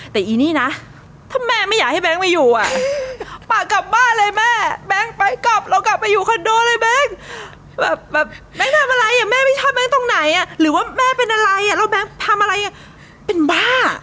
แต่อีนี่นะถ้าแม่ไม่อยากให้แบงค์มาอยู่อ่ะปากกลับบ้านเลยแม่แบงค์ไปกลับเรากลับไปอยู่คอนโดเลยแบงค์แบบแบงค์ทำอะไรอ่ะแม่ไม่ชอบแบงค์ตรงไหนอ่ะหรือว่าแม่เป็นอะไรแล้วแก๊งทำอะไรเป็นบ้า